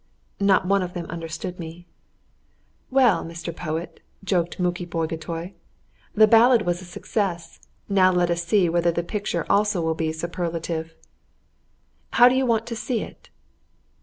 Not one of them understood me. "Well, Mr. Poet," joked Muki Bagotay, "the ballad was a success; now let us see whether the picture also will be superlative." "How do you want to see it?"